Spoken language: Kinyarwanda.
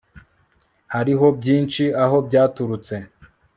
Hariho byinshi aho byaturutse